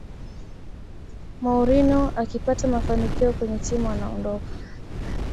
mourinho akipata mafanikio kwenye timu anaondoka